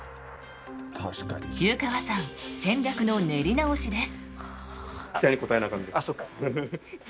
湯川さん戦略の練り直しです。